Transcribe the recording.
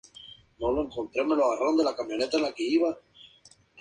Es frecuente ver escrito su nombre en algunas traducciones como Nicholas Marr.